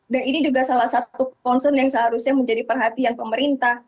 dan ini juga salah satu concern yang seharusnya menjadi perhatian pemerintah